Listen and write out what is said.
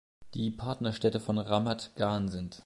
Die Partnerstädte von Ramat Gan sind